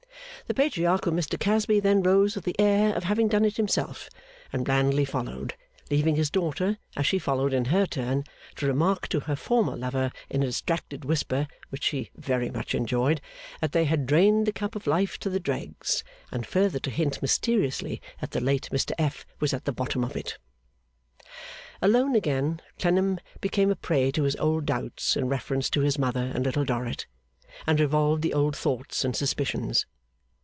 The patriarchal Mr Casby then rose with the air of having done it himself, and blandly followed: leaving his daughter, as she followed in her turn, to remark to her former lover in a distracted whisper (which she very much enjoyed), that they had drained the cup of life to the dregs; and further to hint mysteriously that the late Mr F. was at the bottom of it. Alone again, Clennam became a prey to his old doubts in reference to his mother and Little Dorrit, and revolved the old thoughts and suspicions.